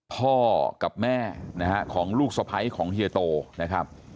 พ่อกับแม่นะฮะของลูกสะพ้ายของเฮียโตนะครับ